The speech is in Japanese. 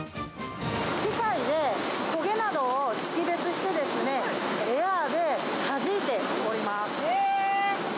機械で焦げなどを識別して、エアーではじいております。